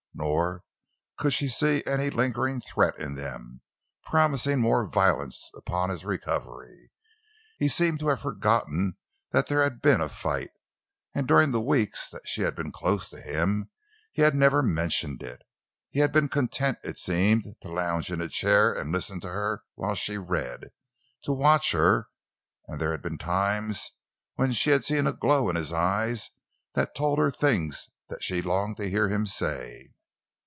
Nor could she see any lingering threat in them, promising more violence upon his recovery. He seemed to have forgotten that there had been a fight, and during the weeks that she had been close to him he had not even mentioned it. He had been content, it seemed, to lounge in a chair and listen to her while she read, to watch her; and there had been times when she had seen a glow in his eyes that told her things that she longed to hear him say.